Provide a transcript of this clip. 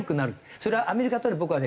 それはアメリカと僕はね